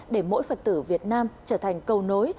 để mỗi phật tử việt nam trở thành cầu nối